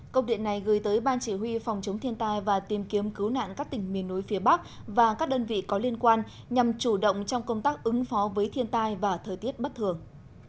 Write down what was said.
công điện này gửi tới ban chỉ huy phòng chống thiên tai và tìm kiếm cứu nạn các tỉnh miền núi phía bắc và các đơn vị có liên quan nhằm chủ động trong công tác ứng phó với thiên tai và thời tiết bất thường